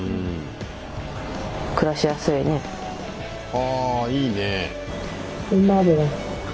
はいいね！